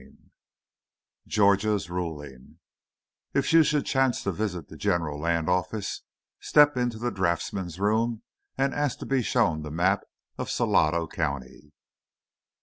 XXII GEORGIA'S RULING If you should chance to visit the General Land Office, step into the draughtsmen's room and ask to be shown the map of Salado County.